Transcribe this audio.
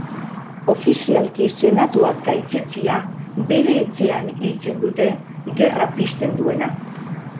Ofizialki senatuak gaitzetsia, bere etxean hiltzen dute, gerra pizten duena.